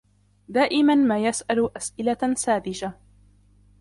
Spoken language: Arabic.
دائما ما يسأل أسئلة ساذجة